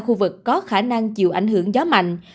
khu vực có khả năng chịu ảnh hưởng gió mạnh